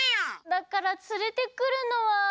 だからつれてくるのは。